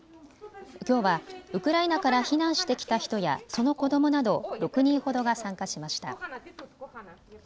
きょうはウクライナから避難してきた人やその子どもなど、６人ほどが参加しました。